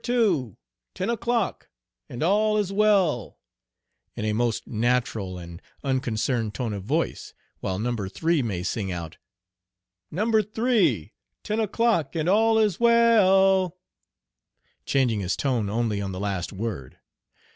2, ten o'clock, and all is well," in a most natural and unconcerned tone of voice, while No. 3 may sing out, "No. 3, ten o'clock and all is well l l," changing his tone only on the last word.